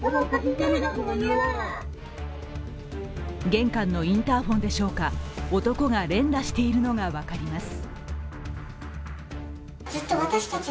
玄関のインターホンでしょうか、男が連打しているのが分かります。